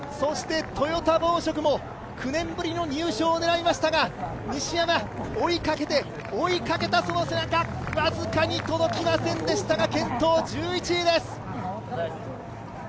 トヨタ紡織も９年ぶりの入賞を狙いましたが、西山、追いかけた、追いかけたその背中僅かに届きませんでしたが、健闘、１１位です。